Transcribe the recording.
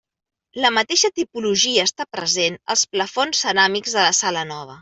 La mateixa tipologia està present als plafons ceràmics de la Sala Nova.